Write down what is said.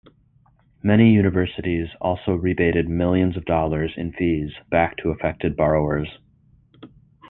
Many universities also rebated millions of dollars in fees back to affected borrowers.